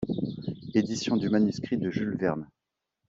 Éditions du manuscrit de Jules Verne.